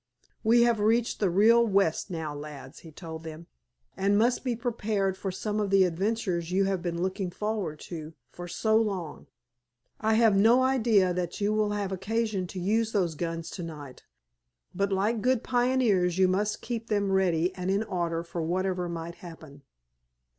"We have reached the real West now, lads," he told them, "and must be prepared for some of the adventures you have been looking forward to for so long. I have no idea that you will have occasion to use those guns to night, but like good pioneers you must keep them ready and in order for whatever might happen."